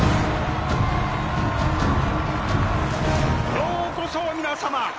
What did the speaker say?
ようこそ皆様